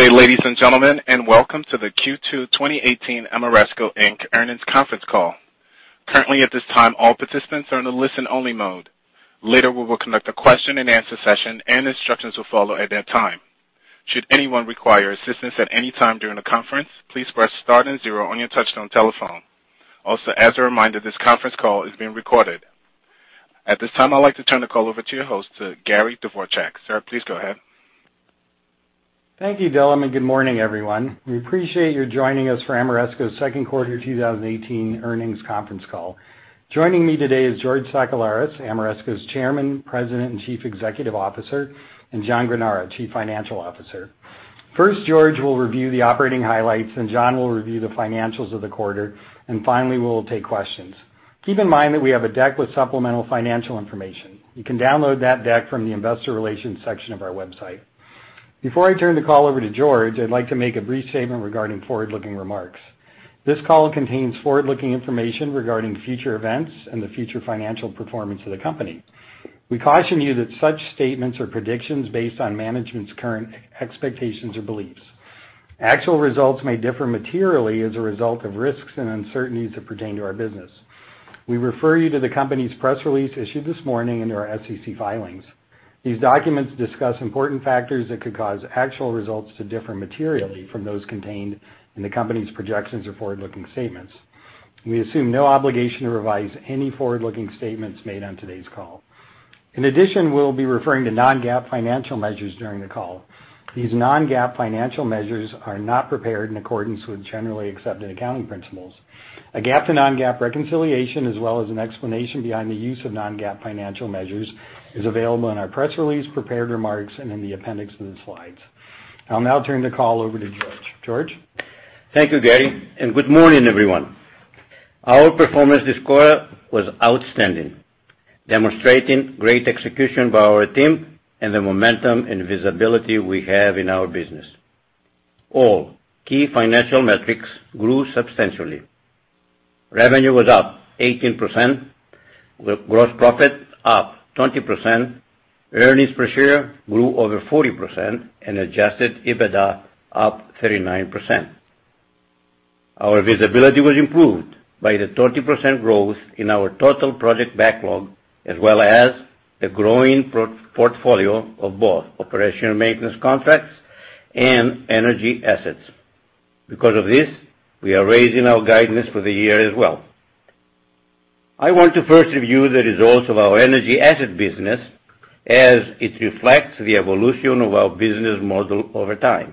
Good day, ladies and gentlemen, and welcome to the Q2 2018 Ameresco Inc. Earnings Conference Call. Currently, at this time, all participants are in the listen-only mode. Later, we will conduct a question-and-answer session, and instructions will follow at that time. Should anyone require assistance at any time during the conference, please press star and zero on your touch-tone telephone. Also, as a reminder, this conference call is being recorded. At this time, I'd like to turn the call over to your host, Gary Dvorchak. Sir, please go ahead. Thank you, Dylan, and good morning, everyone. We appreciate your joining us for Ameresco's second quarter 2018 Earnings Conference Call. Joining me today is George Sakellaris, Ameresco's Chairman, President, and Chief Executive Officer, and John Granara, Chief Financial Officer. First, George will review the operating highlights, and John will review the financials of the quarter, and finally, we'll take questions. Keep in mind that we have a deck with supplemental financial information. You can download that deck from the Investor Relations section of our website. Before I turn the call over to George, I'd like to make a brief statement regarding forward-looking remarks. This call contains forward-looking information regarding future events and the future financial performance of the company. We caution you that such statements or predictions are based on management's current expectations or beliefs. Actual results may differ materially as a result of risks and uncertainties that pertain to our business. We refer you to the company's press release issued this morning and to our SEC filings. These documents discuss important factors that could cause actual results to differ materially from those contained in the company's projections or forward-looking statements. We assume no obligation to revise any forward-looking statements made on today's call. In addition, we'll be referring to non-GAAP financial measures during the call. These non-GAAP financial measures are not prepared in accordance with generally accepted accounting principles. A GAAP to non-GAAP reconciliation, as well as an explanation behind the use of non-GAAP financial measures, is available in our press release, prepared remarks, and in the appendix to the slides. I'll now turn the call over to George. George? Thank you, Gary, and good morning, everyone. Our performance this quarter was outstanding, demonstrating great execution by our team and the momentum and visibility we have in our business. All key financial metrics grew substantially. Revenue was up 18%, gross profit up 20%, earnings per share grew over 40%, and Adjusted EBITDA up 39%. Our visibility was improved by the 30% growth in our total project backlog, as well as the growing portfolio of both operation and maintenance contracts and energy assets. Because of this, we are raising our guidance for the year as well. I want to first review the results of our energy asset business as it reflects the evolution of our business model over time.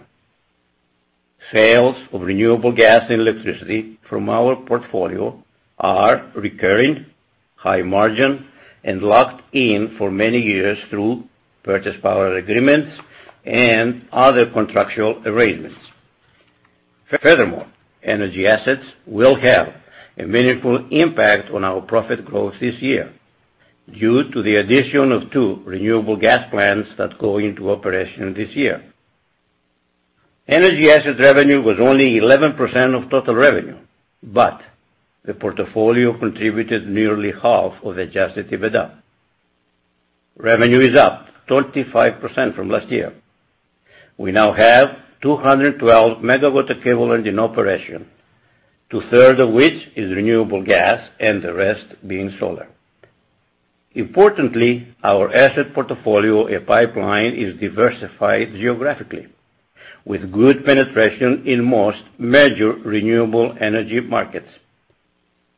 Sales of renewable gas and electricity from our portfolio are recurring, high-margin, and locked in for many years through power purchase agreements and other contractual arrangements. Furthermore, energy assets will have a meaningful impact on our profit growth this year due to the addition of two renewable gas plants that go into operation this year. Energy asset revenue was only 11% of total revenue, but the portfolio contributed nearly half of adjusted EBITDA. Revenue is up 25% from last year. We now have 212 megawatts of equivalent in operation, two-thirds of which is renewable gas and the rest being solar. Importantly, our asset portfolio and pipeline is diversified geographically with good penetration in most major renewable energy markets.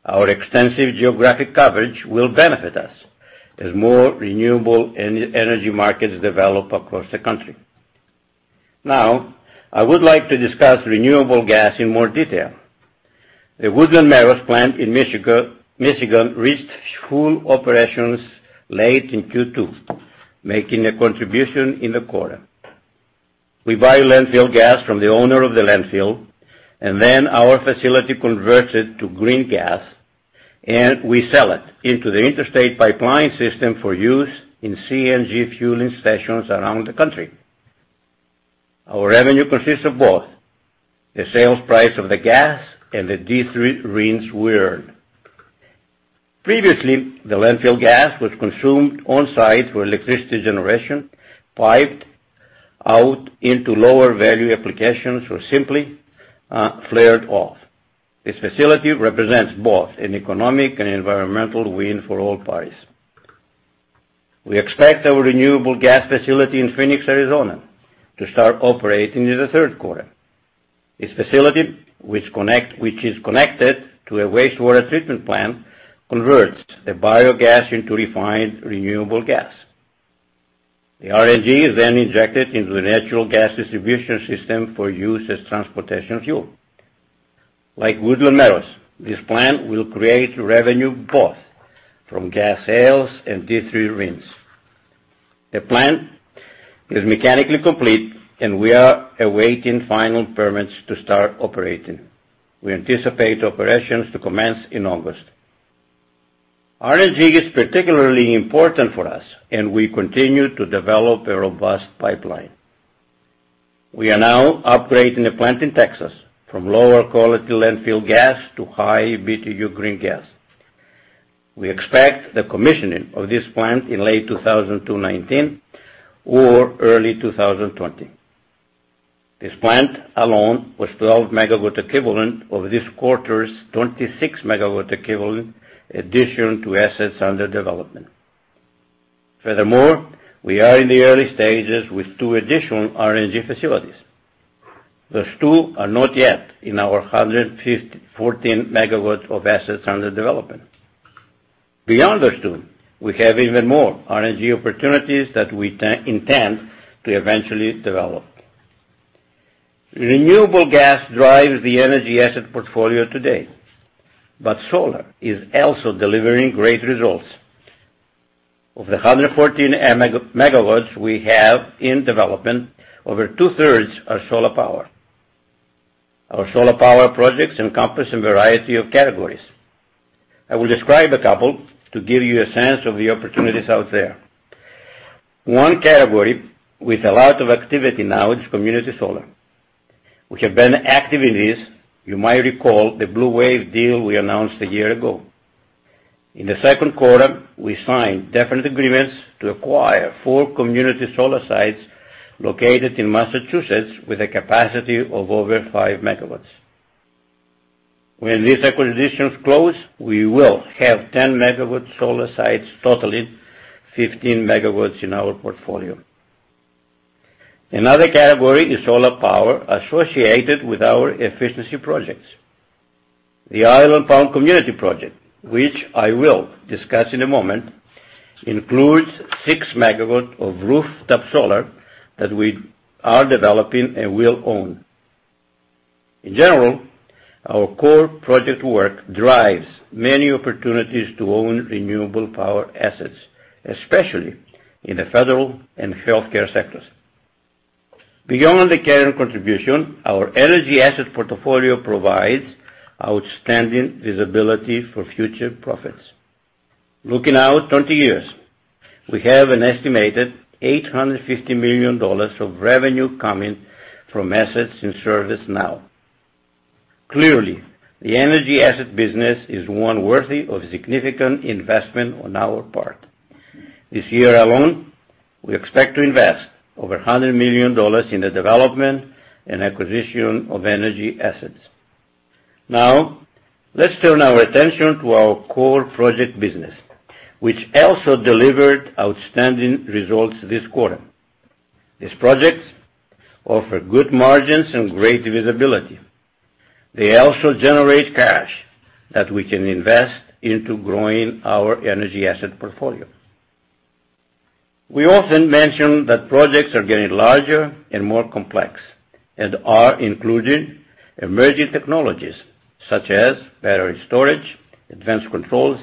Our extensive geographic coverage will benefit us as more renewable energy markets develop across the country. Now, I would like to discuss renewable gas in more detail. The Woodland Meadows plant in Michigan reached full operations late in Q2, making a contribution in the quarter. We buy landfill gas from the owner of the landfill, and then our facility converts it to green gas, and we sell it into the interstate pipeline system for use in CNG fueling stations around the country. Our revenue consists of both the sales price of the gas and the D3 RINs we earn. Previously, the landfill gas was consumed on-site for electricity generation, piped out into lower-value applications, or simply flared off. This facility represents both an economic and environmental win for all parties. We expect our renewable gas facility in Phoenix, Arizona, to start operating in the third quarter. This facility, which is connected to a wastewater treatment plant, converts the biogas into refined renewable gas. The RNG is then injected into the natural gas distribution system for use as transportation fuel. Like Woodland Meadows, this plant will create revenue both from gas sales and D3 RINs. The plant is mechanically complete, and we are awaiting final permits to start operating. We anticipate operations to commence in August. RNG is particularly important for us, and we continue to develop a robust pipeline. We are now upgrading the plant in Texas from lower-quality landfill gas to high BTU green gas. We expect the commissioning of this plant in late 2019 or early 2020. This plant alone was 12 megawatt equivalent of this quarter's 26 megawatt equivalent addition to assets under development. Furthermore, we are in the early stages with two additional RNG facilities. Those two are not yet in our 114 megawatts of assets under development. Beyond those two, we have even more RNG opportunities that we intend to eventually develop. Renewable gas drives the energy asset portfolio today, but solar is also delivering great results. Of the 114 megawatts we have in development, over two-thirds are solar power. Our solar power projects encompass a variety of categories. I will describe a couple to give you a sense of the opportunities out there. One category with a lot of activity now is community solar. We have been active in this. You might recall the BlueWave deal we announced a year ago. In the second quarter, we signed definite agreements to acquire 4 community solar sites located in Massachusetts with a capacity of over 5 megawatts. When these acquisitions close, we will have 10-megawatt solar sites totaling 15 megawatts in our portfolio. Another category is solar power associated with our efficiency projects. The Island Palm Communities project, which I will discuss in a moment, includes 6 megawatts of rooftop solar that we are developing and will own. In general, our core project work drives many opportunities to own renewable power assets, especially in the federal and healthcare sectors. Beyond the current contribution, our energy asset portfolio provides outstanding visibility for future profits. Looking out 20 years, we have an estimated $850 million of revenue coming from assets in service now. Clearly, the energy asset business is one worthy of significant investment on our part. This year alone, we expect to invest over $100 million in the development and acquisition of energy assets. Now, let's turn our attention to our core project business, which also delivered outstanding results this quarter. These projects offer good margins and great visibility. They also generate cash that we can invest into growing our energy asset portfolio. We often mention that projects are getting larger and more complex and are including emerging technologies such as battery storage, advanced controls,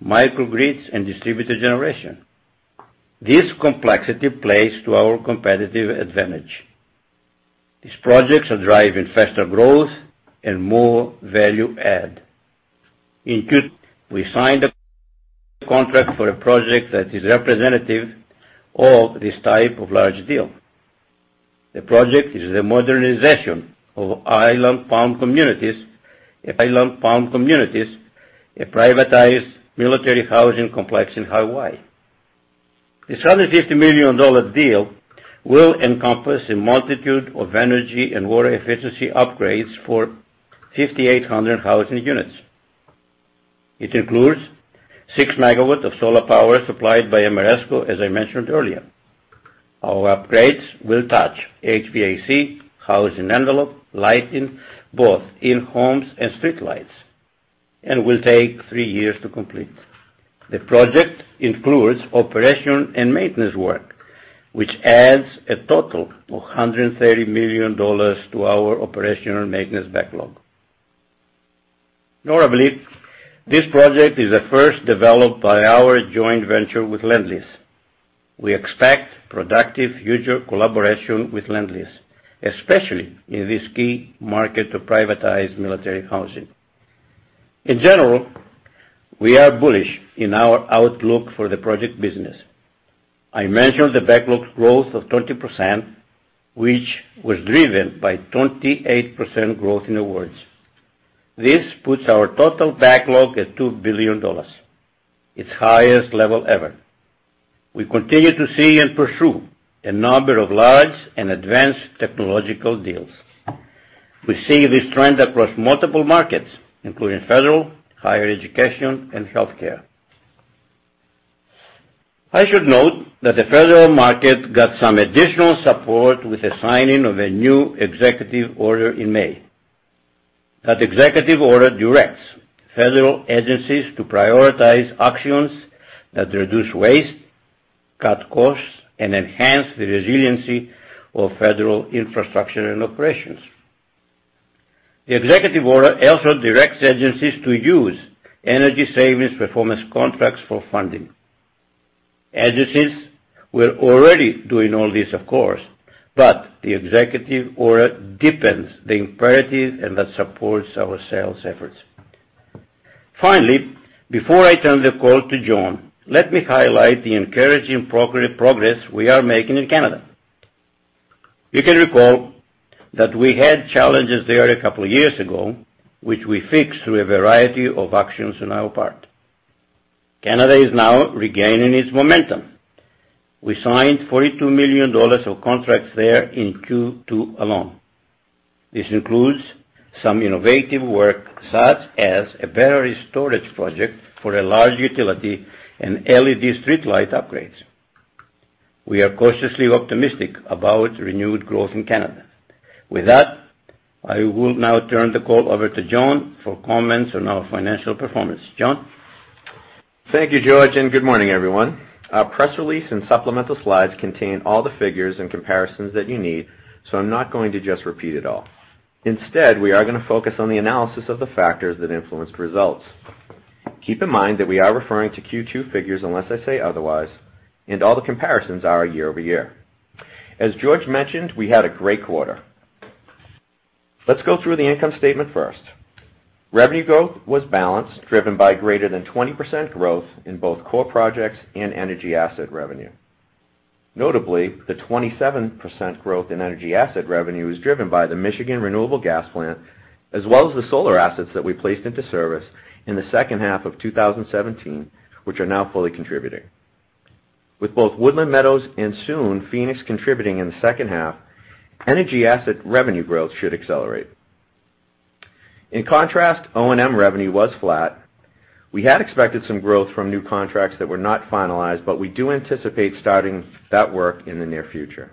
microgrids, and distributed generation. This complexity plays to our competitive advantage. These projects are driving faster growth and more value add. We signed a contract for a project that is representative of this type of large deal. The project is the modernization of Island Palm Communities, a privatized military housing complex in Hawaii. This $150 million deal will encompass a multitude of energy and water efficiency upgrades for 5,800 housing units. It includes 6 MW of solar power supplied by Ameresco, as I mentioned earlier. Our upgrades will touch HVAC, housing envelope, lighting, both in homes and streetlights, and will take 3 years to complete. The project includes operation and maintenance work, which adds a total of $130 million to our operational maintenance backlog. Notably, this project is the first developed by our joint venture with Lendlease. We expect productive future collaboration with Lendlease, especially in this key market to privatized military housing. In general, we are bullish in our outlook for the project business. I mentioned the backlog growth of 20%, which was driven by 28% growth in awards. This puts our total backlog at $2 billion, its highest level ever. We continue to see and pursue a number of large and advanced technological deals. We see this trend across multiple markets, including federal, higher education, and healthcare. I should note that the federal market got some additional support with the signing of a new executive order in May. That executive order directs federal agencies to prioritize actions that reduce waste, cut costs, and enhance the resiliency of federal infrastructure and operations. The executive order also directs agencies to use energy savings performance contracts for funding. Agencies were already doing all this, of course, but the executive order deepens the imperative and that supports our sales efforts. Finally, before I turn the call to John, let me highlight the encouraging progress we are making in Canada. You can recall that we had challenges there a couple of years ago, which we fixed through a variety of actions on our part. Canada is now regaining its momentum. We signed $42 million of contracts there in Q2 alone. This includes some innovative work such as a battery storage project for a large utility and LED streetlight upgrades. We are cautiously optimistic about renewed growth in Canada. With that, I will now turn the call over to John for comments on our financial performance. John? Thank you, George, and good morning, everyone. Our press release and supplemental slides contain all the figures and comparisons that you need, so I'm not going to just repeat it all. Instead, we are going to focus on the analysis of the factors that influenced results. Keep in mind that we are referring to Q2 figures unless I say otherwise, and all the comparisons are year-over-year. As George mentioned, we had a great quarter. Let's go through the income statement first. Revenue growth was balanced, driven by greater than 20% growth in both core projects and energy asset revenue. Notably, the 27% growth in energy asset revenue is driven by the Michigan renewable gas plant, as well as the solar assets that we placed into service in the second half of 2017, which are now fully contributing. With both Woodland Meadows and soon Phoenix contributing in the second half, energy asset revenue growth should accelerate. In contrast, O&M revenue was flat. We had expected some growth from new contracts that were not finalized, but we do anticipate starting that work in the near future.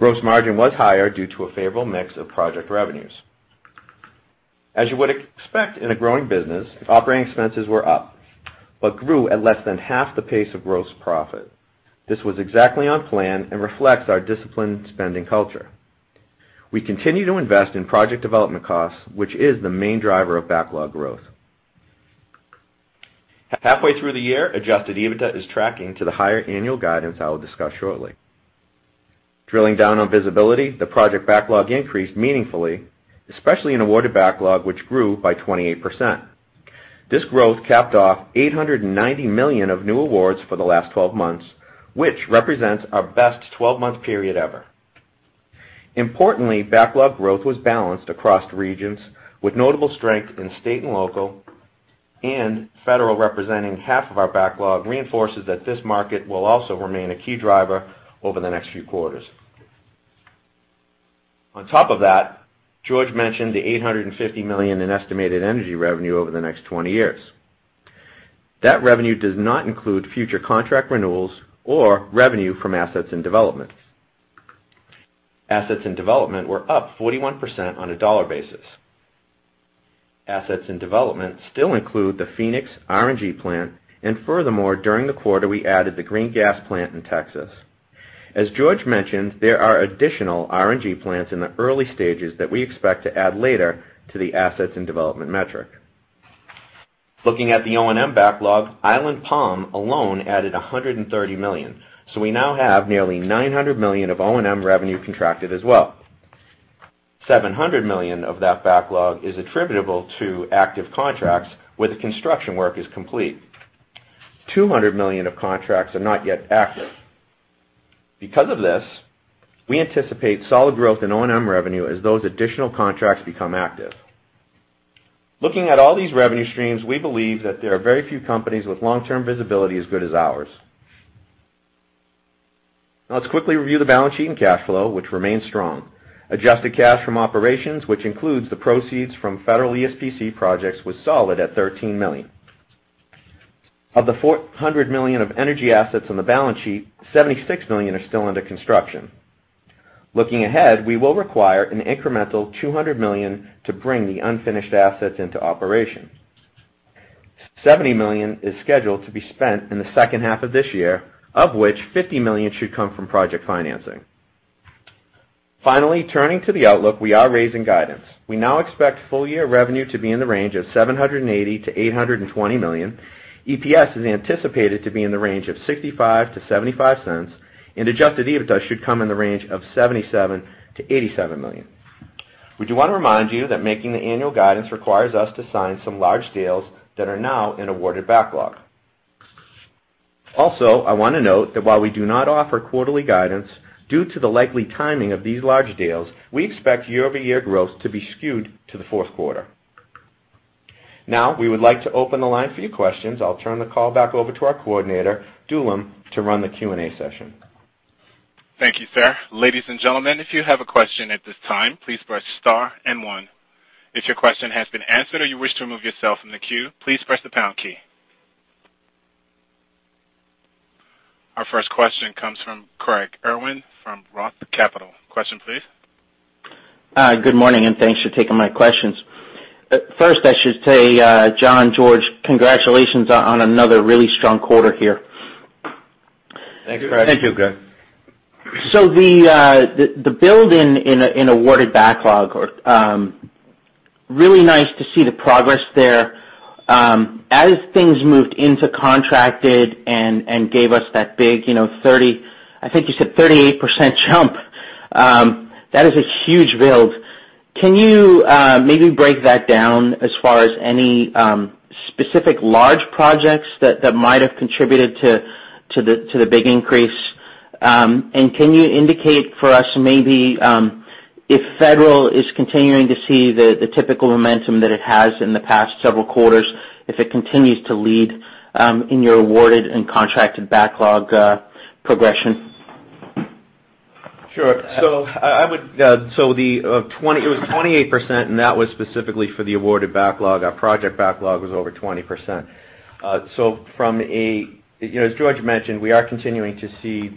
Gross margin was higher due to a favorable mix of project revenues. As you would expect in a growing business, operating expenses were up but grew at less than half the pace of gross profit. This was exactly on plan and reflects our disciplined spending culture. We continue to invest in project development costs, which is the main driver of backlog growth. Halfway through the year, Adjusted EBITDA is tracking to the higher annual guidance I will discuss shortly. Drilling down on visibility, the project backlog increased meaningfully, especially in awarded backlog, which grew by 28%. This growth capped off $890 million of new awards for the last 12 months, which represents our best 12-month period ever. Importantly, backlog growth was balanced across regions, with notable strength in state and local, and federal representing half of our backlog reinforces that this market will also remain a key driver over the next few quarters. On top of that, George mentioned the $850 million in estimated energy revenue over the next 20 years. That revenue does not include future contract renewals or revenue from assets in development. Assets in development were up 41% on a dollar basis. Assets in development still include the Phoenix RNG plant, and furthermore, during the quarter, we added the green gas plant in Texas. As George mentioned, there are additional RNG plants in the early stages that we expect to add later to the assets in development metric. Looking at the O&M backlog, Island Palm alone added $130 million, so we now have nearly $900 million of O&M revenue contracted as well. $700 million of that backlog is attributable to active contracts where the construction work is complete. $200 million of contracts are not yet active. Because of this, we anticipate solid growth in O&M revenue as those additional contracts become active. Looking at all these revenue streams, we believe that there are very few companies with long-term visibility as good as ours. Now, let's quickly review the balance sheet and cash flow, which remains strong. Adjusted cash from operations, which includes the proceeds from federal ESPC projects, was solid at $13 million. Of the $400 million of energy assets on the balance sheet, $76 million are still under construction. Looking ahead, we will require an incremental $200 million to bring the unfinished assets into operation. $70 million is scheduled to be spent in the second half of this year, of which $50 million should come from project financing. Finally, turning to the outlook, we are raising guidance. We now expect full-year revenue to be in the range of $780 million-$820 million. EPS is anticipated to be in the range of $0.65-$0.75, and Adjusted EBITDA should come in the range of $77 million-$87 million. We do want to remind you that making the annual guidance requires us to sign some large deals that are now in awarded backlog. Also, I want to note that while we do not offer quarterly guidance, due to the likely timing of these large deals, we expect year-over-year growth to be skewed to the fourth quarter. Now, we would like to open the line for your questions. I'll turn the call back over to our coordinator, Dylan, to run the Q&A session. Thank you, sir. Ladies and gentlemen, if you have a question at this time, please press star and one. If your question has been answered or you wish to remove yourself from the queue, please press the pound key. Our first question comes from Craig Irwin from Roth Capital. Question, please. Good morning, and thanks for taking my questions. First, I should say, John, George, congratulations on another really strong quarter here. Thanks, Craig. Thank you, Gary. So the build in awarded backlog, really nice to see the progress there. As things moved into contracted and gave us that big, I think you said 38% jump, that is a huge build. Can you maybe break that down as far as any specific large projects that might have contributed to the big increase? And can you indicate for us maybe if federal is continuing to see the typical momentum that it has in the past several quarters, if it continues to lead in your awarded and contracted backlog progression? Sure. So it was 28%, and that was specifically for the awarded backlog. Our project backlog was over 20%. So, as George mentioned, we are continuing to see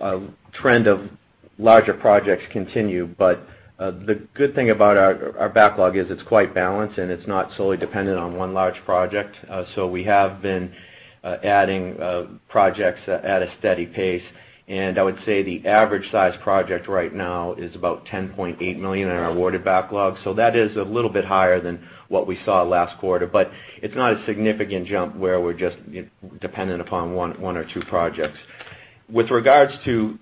the trend of larger projects continue, but the good thing about our backlog is it's quite balanced, and it's not solely dependent on one large project. So we have been adding projects at a steady pace, and I would say the average-sized project right now is about $10.8 million in our awarded backlog. So that is a little bit higher than what we saw last quarter, but it's not a significant jump where we're just dependent upon one or two projects. With regards to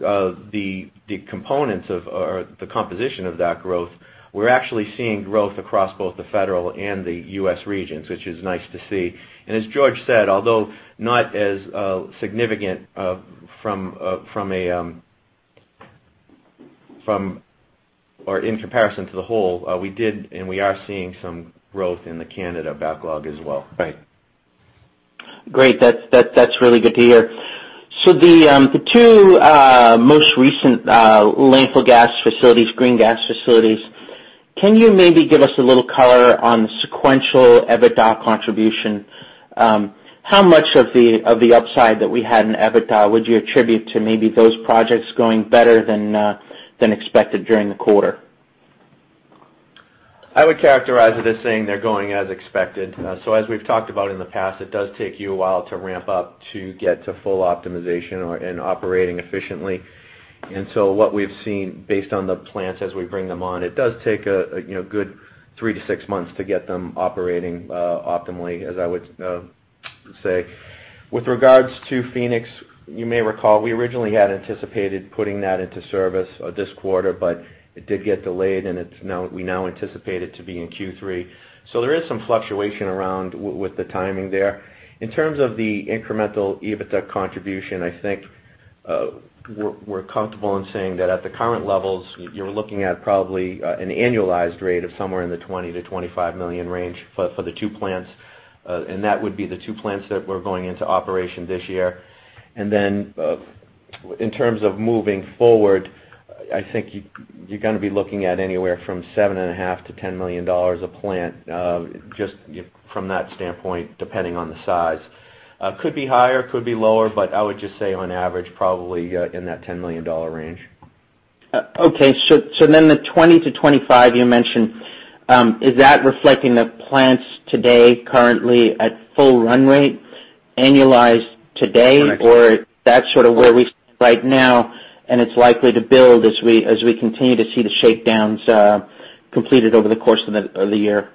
the components of or the composition of that growth, we're actually seeing growth across both the federal and the U.S. regions, which is nice to see. As George said, although not as significant from a or in comparison to the whole, we did and we are seeing some growth in the Canada backlog as well. Great. That's really good to hear. So the two most recent landfill gas facilities, green gas facilities, can you maybe give us a little color on the sequential EBITDA contribution? How much of the upside that we had in EBITDA would you attribute to maybe those projects going better than expected during the quarter? I would characterize it as saying they're going as expected. So as we've talked about in the past, it does take you a while to ramp up to get to full optimization and operating efficiently. And so what we've seen based on the plants as we bring them on, it does take a good 3-6 months to get them operating optimally, as I would say. With regards to Phoenix, you may recall we originally had anticipated putting that into service this quarter, but it did get delayed, and we now anticipate it to be in Q3. So there is some fluctuation around with the timing there. In terms of the incremental EBITDA contribution, I think we're comfortable in saying that at the current levels, you're looking at probably an annualized rate of somewhere in the $20 million-$25 million range for the two plants, and that would be the two plants that were going into operation this year. And then in terms of moving forward, I think you're going to be looking at anywhere from $7.5 million to $10 million a plant just from that standpoint, depending on the size. Could be higher, could be lower, but I would just say on average, probably in that $10 million range. Okay. So then the 20-25 you mentioned, is that reflecting the plants today currently at full run rate, annualized today, or that's sort of where we stand right now and it's likely to build as we continue to see the shakedowns completed over the course of the year?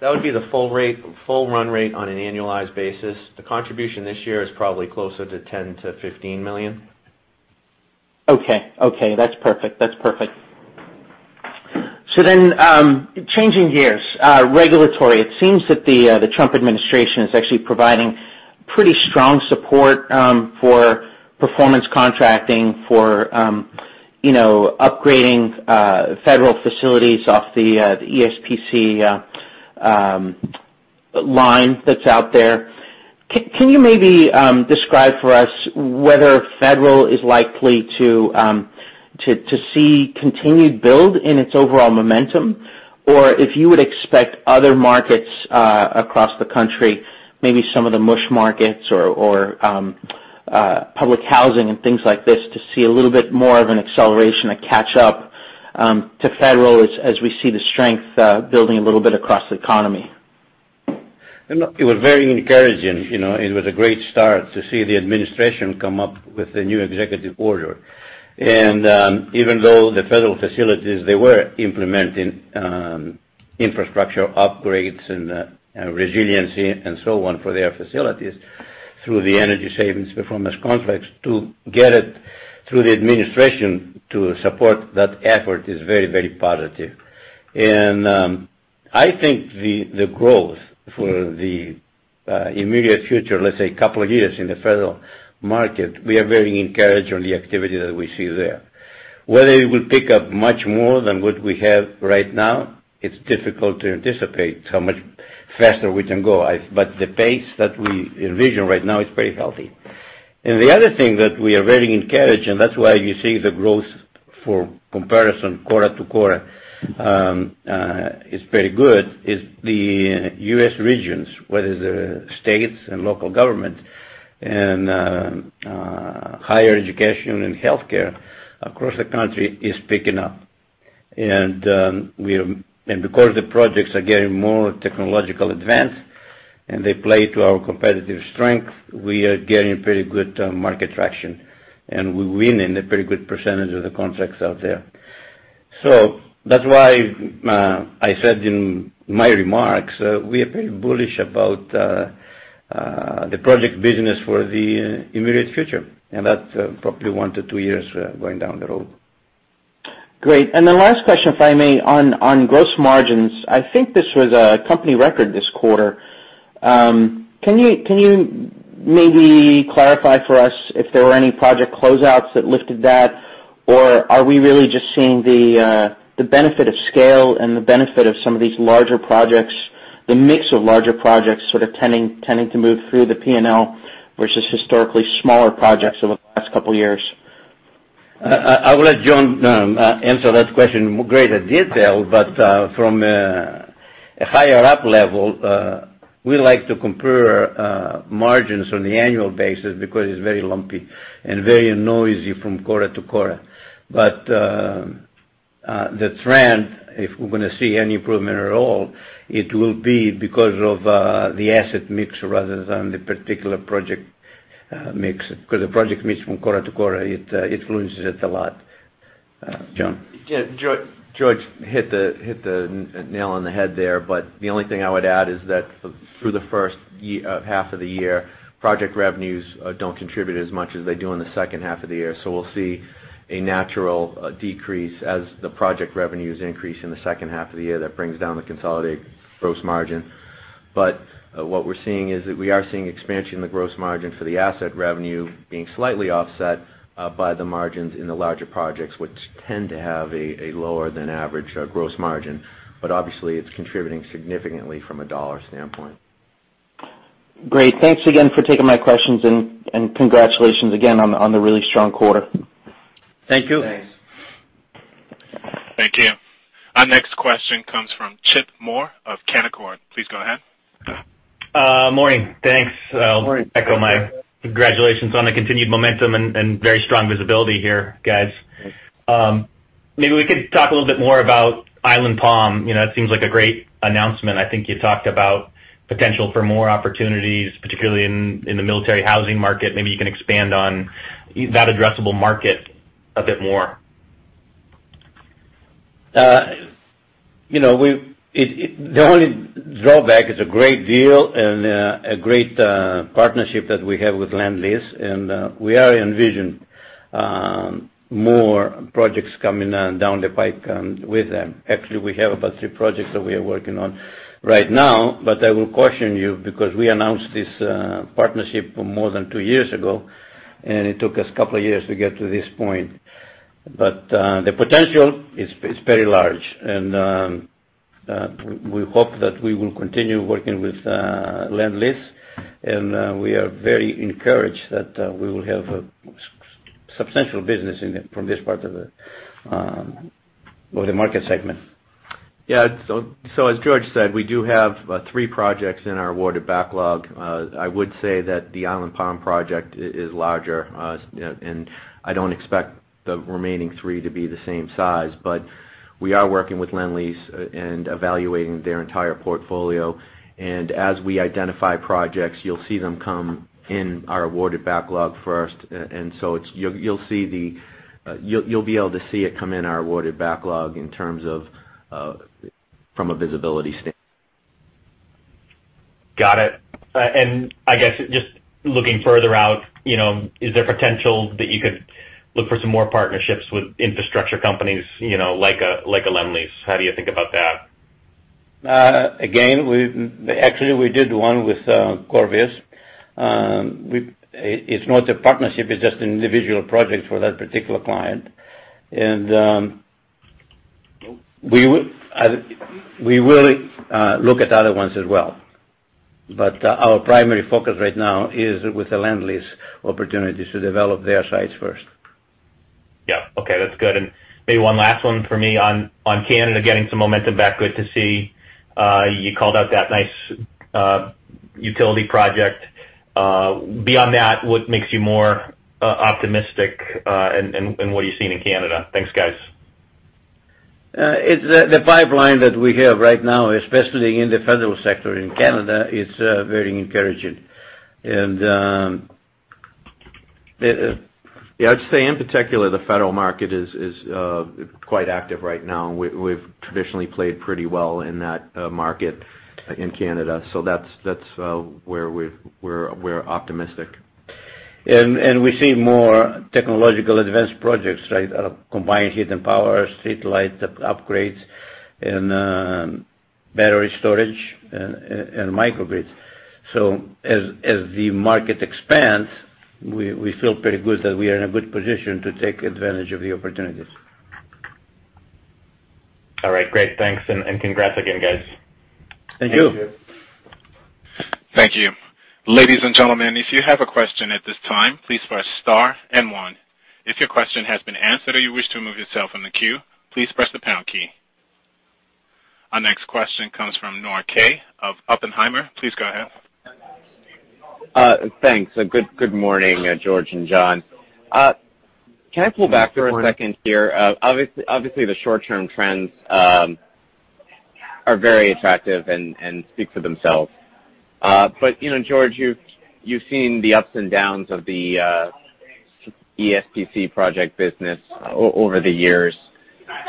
That would be the full run rate on an annualized basis. The contribution this year is probably closer to $10 million-$15 million. Okay. Okay. That's perfect. That's perfect. So then changing gears, regulatory, it seems that the Trump administration is actually providing pretty strong support for performance contracting, for upgrading federal facilities off the ESPC line that's out there. Can you maybe describe for us whether federal is likely to see continued build in its overall momentum, or if you would expect other markets across the country, maybe some of the MUSH markets or public housing and things like this, to see a little bit more of an acceleration, a catch-up to federal as we see the strength building a little bit across the economy? It was very encouraging. It was a great start to see the administration come up with a new executive order. And even though the federal facilities, they were implementing infrastructure upgrades and resiliency and so on for their facilities through the energy savings performance contracts, to get it through the administration to support that effort is very, very positive. And I think the growth for the immediate future, let's say a couple of years in the federal market, we are very encouraged on the activity that we see there. Whether it will pick up much more than what we have right now, it's difficult to anticipate how much faster we can go, but the pace that we envision right now is pretty healthy. The other thing that we are very encouraged, and that's why you see the growth for comparison quarter-to-quarter is pretty good, is the U.S. regions, whether it's the state and local governments, and higher education and healthcare across the country is picking up. Because the projects are getting more technologically advanced and they play to our competitive strength, we are getting pretty good market traction, and we're winning a pretty good percentage of the contracts out there. So that's why I said in my remarks, we are pretty bullish about the project business for the immediate future, and that's probably one to two years going down the road. Great. The last question, if I may, on gross margins, I think this was a company record this quarter. Can you maybe clarify for us if there were any project closeouts that lifted that, or are we really just seeing the benefit of scale and the benefit of some of these larger projects, the mix of larger projects sort of tending to move through the P&L versus historically smaller projects over the last couple of years? I will let John answer that question in greater detail, but from a higher-up level, we like to compare margins on the annual basis because it's very lumpy and very noisy from quarter to quarter. But the trend, if we're going to see any improvement at all, it will be because of the asset mix rather than the particular project mix. Because the project mix from quarter to quarter, it influences it a lot, John. George hit the nail on the head there, but the only thing I would add is that through the first half of the year, project revenues don't contribute as much as they do in the second half of the year. So we'll see a natural decrease as the project revenues increase in the second half of the year that brings down the consolidated gross margin. But what we're seeing is that we are seeing expansion in the gross margin for the asset revenue being slightly offset by the margins in the larger projects, which tend to have a lower-than-average gross margin. But obviously, it's contributing significantly from a dollar standpoint. Great. Thanks again for taking my questions, and congratulations again on the really strong quarter. Thank you. Thanks. Thank you. Our next question comes from Chip Moore of Canaccord. Please go ahead. Morning. Thanks. I'll echo my congratulations on the continued momentum and very strong visibility here, guys. Maybe we could talk a little bit more about Island Palm. That seems like a great announcement. I think you talked about potential for more opportunities, particularly in the military housing market. Maybe you can expand on that addressable market a bit more. The only drawback is a great deal and a great partnership that we have with Lendlease, and we are envisioning more projects coming down the pike with them. Actually, we have about three projects that we are working on right now, but I will caution you because we announced this partnership more than two years ago, and it took us a couple of years to get to this point. But the potential is very large, and we hope that we will continue working with Lendlease, and we are very encouraged that we will have substantial business from this part of the market segment. Yeah. So as George said, we do have three projects in our awarded backlog. I would say that the Island Palm project is larger, and I don't expect the remaining three to be the same size, but we are working with Lendlease and evaluating their entire portfolio. And as we identify projects, you'll see them come in our awarded backlog first, and so you'll see the you'll be able to see it come in our awarded backlog in terms of from a visibility standpoint. Got it. And I guess just looking further out, is there potential that you could look for some more partnerships with infrastructure companies like a Lendlease? How do you think about that? Again, actually, we did one with Corvias. It's not a partnership. It's just an individual project for that particular client. And we will look at other ones as well, but our primary focus right now is with the Lendlease opportunities to develop their sites first. Yeah. Okay. That's good. Maybe one last one for me on Canada getting some momentum back, good to see. You called out that nice utility project. Beyond that, what makes you more optimistic, and what are you seeing in Canada? Thanks, guys. The pipeline that we have right now, especially in the federal sector in Canada. It's very encouraging. Yeah. I'd say in particular, the federal market is quite active right now, and we've traditionally played pretty well in that market in Canada. So that's where we're optimistic. We see more technologically advanced projects, right, combined heat and power, streetlight upgrades, and battery storage, and microgrids. As the market expands, we feel pretty good that we are in a good position to take advantage of the opportunities. All right. Great. Thanks, and congrats again, guys. Thank you. Thank you. Thank you. Ladies and gentlemen, if you have a question at this time, please press star and one. If your question has been answered or you wish to move yourself from the queue, please press the pound key. Our next question comes from Noah Kaye of Oppenheimer. Please go ahead. Thanks. Good morning, George and John. Can I pull back for a second here? Obviously, the short-term trends are very attractive and speak for themselves. But George, you've seen the ups and downs of the ESPC project business over the years.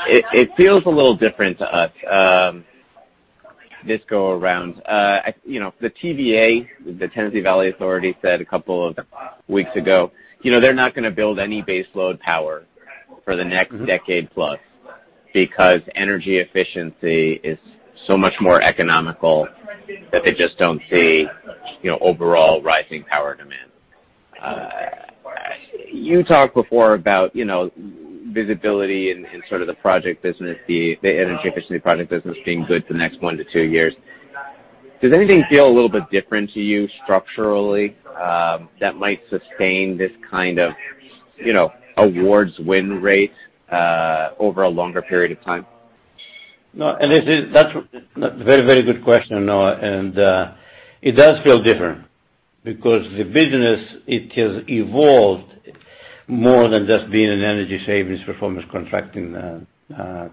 It feels a little different to us this go around. The TVA, the Tennessee Valley Authority, said a couple of weeks ago, they're not going to build any baseload power for the next decade-plus because energy efficiency is so much more economical that they just don't see overall rising power demand. You talked before about visibility and sort of the project business, the energy efficiency project business being good for the next 1-2 years. Does anything feel a little bit different to you structurally that might sustain this kind of awards win rate over a longer period of time? No. And that's a very, very good question, Noah. And it does feel different because the business, it has evolved more than just being an Energy Savings Performance Contracting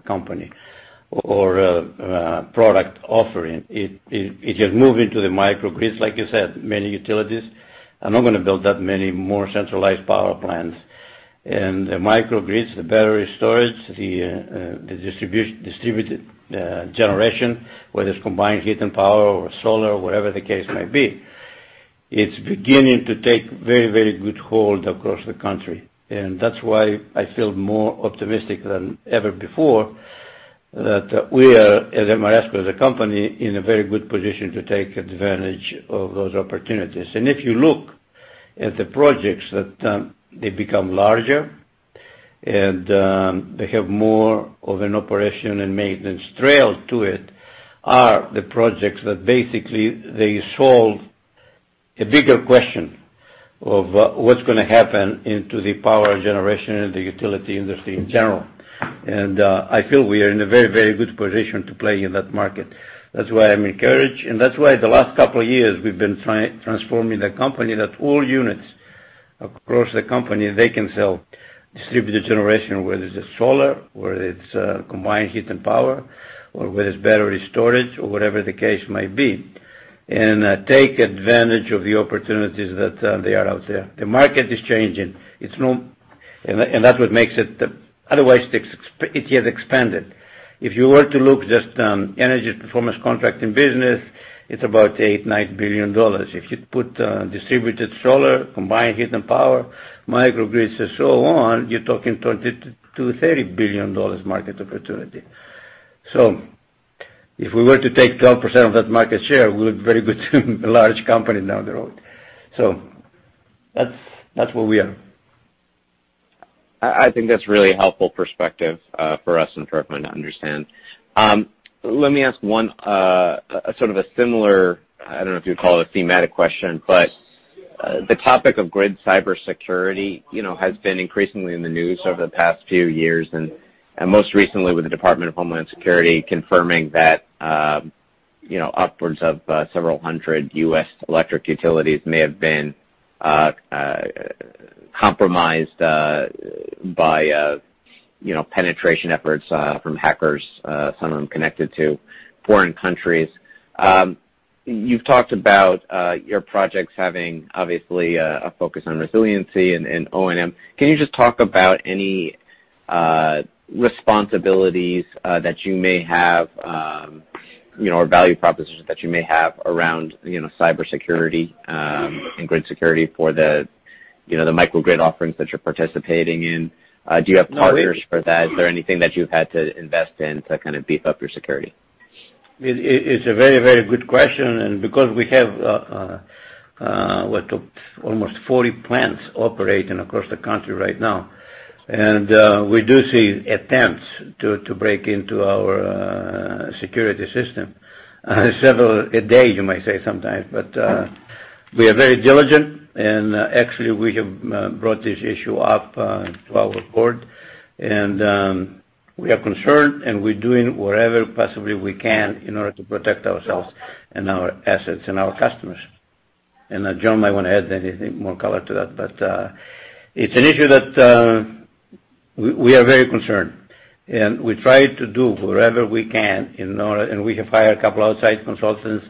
company or product offering. It has moved into the microgrids, like you said, many utilities. I'm not going to build that many more centralized power plants. And the microgrids, the battery storage, the distributed generation, whether it's combined heat and power or solar, whatever the case might be, it's beginning to take very, very good hold across the country. And that's why I feel more optimistic than ever before that we are at Ameresco as a company in a very good position to take advantage of those opportunities. If you look at the projects that they become larger and they have more of an operation and maintenance tail to it, are the projects that basically they solve a bigger question of what's going to happen into the power generation and the utility industry in general. I feel we are in a very, very good position to play in that market. That's why I'm encouraged, and that's why the last couple of years, we've been transforming the company that all units across the company, they can sell distributed generation, whether it's solar, whether it's combined heat and power, or whether it's battery storage or whatever the case might be, and take advantage of the opportunities that they are out there. The market is changing. That's what makes it otherwise, it has expanded. If you were to look just energy performance contracting business, it's about $8-$9 billion. If you put distributed solar, combined heat and power, microgrids, and so on, you're talking $20 billion-$30 billion market opportunity. So if we were to take 12% of that market share, we would be a very good large company down the road. So that's where we are. I think that's a really helpful perspective for us and for everyone to understand. Let me ask one sort of a similar I don't know if you'd call it a thematic question, but the topic of grid cybersecurity has been increasingly in the news over the past few years, and most recently with the Department of Homeland Security confirming that upwards of several hundred U.S. electric utilities may have been compromised by penetration efforts from hackers, some of them connected to foreign countries. You've talked about your projects having, obviously, a focus on resiliency and O&M. Can you just talk about any responsibilities that you may have or value propositions that you may have around cybersecurity and grid security for the microgrid offerings that you're participating in? Do you have partners for that? Is there anything that you've had to invest in to kind of beef up your security? It's a very, very good question. And because we have almost 40 plants operating across the country right now, and we do see attempts to break into our security system, several a day, you might say sometimes. But we are very diligent, and actually, we have brought this issue up to our board, and we are concerned, and we're doing whatever possibly we can in order to protect ourselves and our assets and our customers. And John might want to add anything more color to that, but it's an issue that we are very concerned, and we try to do whatever we can in order and we have hired a couple of outside consultants,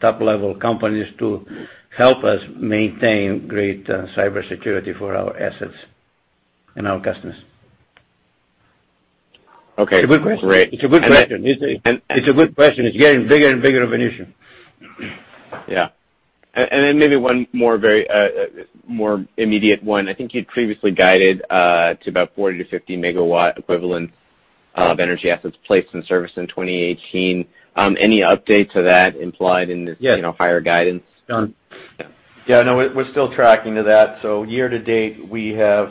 top-level companies, to help us maintain great cybersecurity for our assets and our customers. It's a good question. It's a good question. It's a good question. It's getting bigger and bigger of an issue. Yeah. And then maybe one more immediate one. I think you'd previously guided to about 40-50 megawatt equivalents of energy assets placed in service in 2018. Any update to that implied in this higher guidance? Yeah. No, we're still tracking to that. So year to date, we have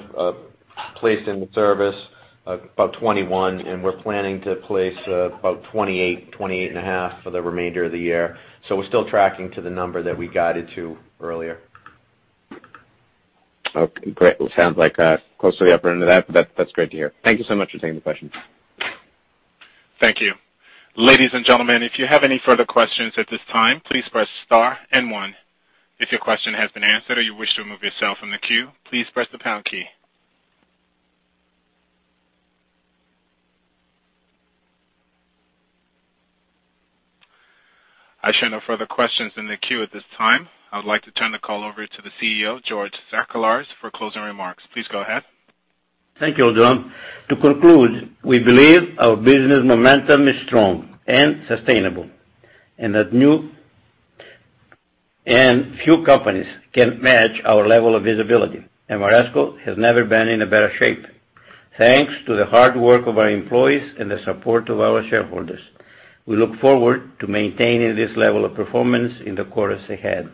placed in service about 21, and we're planning to place about 28, 28.5 for the remainder of the year. So we're still tracking to the number that we guided to earlier. Okay. Great. Well, it sounds like close to the upper end of that, but that's great to hear. Thank you so much for taking the question. Thank you. Ladies and gentlemen, if you have any further questions at this time, please press star and one. If your question has been answered or you wish to move yourself from the queue, please press the pound key. I see no further questions in the queue at this time. I would like to turn the call over to the CEO, George Sakellaris, for closing remarks. Please go ahead. Thank you, John. To conclude, we believe our business momentum is strong and sustainable and that few companies can match our level of visibility. Ameresco has never been in a better shape. Thanks to the hard work of our employees and the support of our shareholders, we look forward to maintaining this level of performance in the quarters ahead.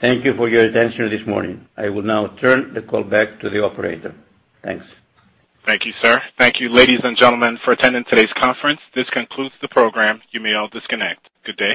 Thank you for your attention this morning. I will now turn the call back to the operator. Thanks. Thank you, sir. Thank you, ladies and gentlemen, for attending today's conference. This concludes the program. You may all disconnect. Good day.